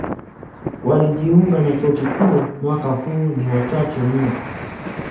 Walijunga na chuo kikuu mwaka huu ni wachache mno.